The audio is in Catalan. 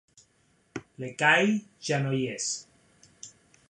L'Ekahi ja no hi és.